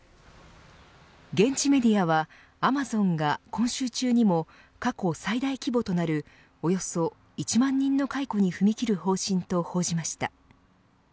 現地メディアはアマゾンが今週中にも過去最大規模となるおよそ１万人の解雇に踏み切る方針と報じました。